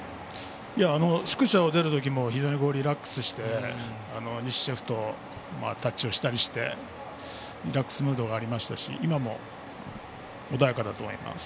宿舎を出る時も非常にリラックスして西シェフとタッチしたりしてリラックスムードがありましたし今も穏やかだと思います。